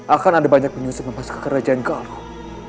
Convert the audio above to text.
akan ada banyak penyusup memasuki kerajaan galuh